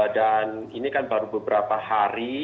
dan ini kan baru beberapa hari